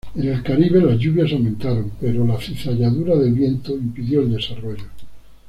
En el Caribe, las lluvias aumentaron, pero la cizalladura del viento impidió el desarrollo.